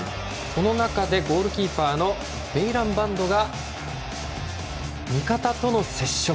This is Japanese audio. その中でゴールキーパーのベイランバンドが味方との接触。